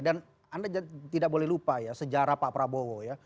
dan anda tidak boleh lupa ya sejarah pak prabowo ya